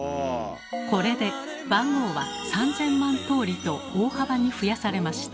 これで番号は３，０００万通りと大幅に増やされました。